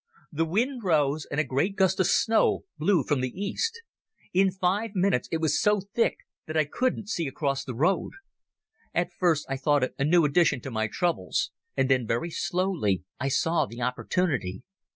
The wind rose, and a great gust of snow blew from the east. In five minutes it was so thick that I couldn't see across the road. At first I thought it a new addition to my troubles, and then very slowly I saw the opportunity.